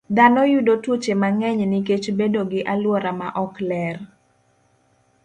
Dhano yudo tuoche mang'eny nikech bedo gi alwora maok ler.